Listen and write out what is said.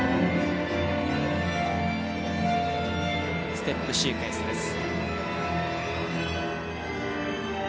ステップシークエンスです。